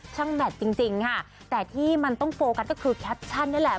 ช่างแบตจริงฮะแต่ที่มันต้องโฟกัสก็คือแคปชันง่ายแหละ